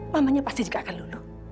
mamanya pasti juga akan lulung